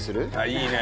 いいね。